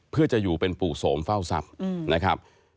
เพื่อจะอยู่เป็นปู่โสมเฝ้าทรัพย์นะครับ